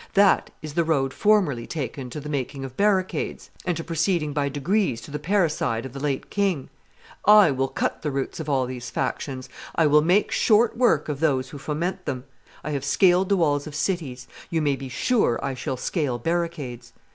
That is the road formerly, taken to the making of barricades, and to proceeding by degrees to the parricide of the late king. I will cut the roots of all these factions; I will make short work of those who foment them. I have scaled the walls of cities; you may be sure I shall scale barricades.